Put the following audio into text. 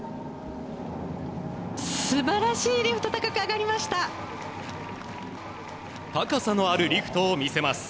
素晴らしいリフト高く上がりました！